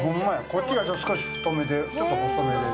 こっちが少し太めでちょっと細めで